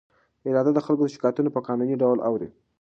اداره د خلکو شکایتونه په قانوني ډول اوري.